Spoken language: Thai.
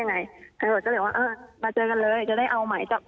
ยังไงคือผมจะเรียกว่าเอ่อมาเจอกันเลยจะได้เอาไหมจับ